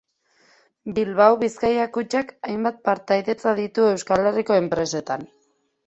Bilbao Bizkaia Kutxak hainbat partaidetza ditu Euskal Herriko enpresetan.